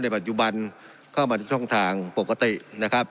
ในปัจจุบันเข้ามาทางทางปกตินะครับ